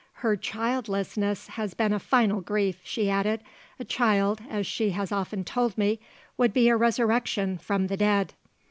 "Her childlessness has been a final grief," she added; "a child, as she has often told me, would be a resurrection from the dead."